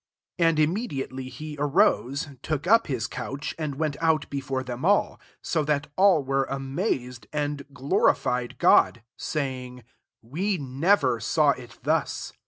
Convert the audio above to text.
''* 12 And immediately he arose, took up his couch, and went out before them all ; so that all were amazed, and gloiified God, saying, " We never saw it thus!"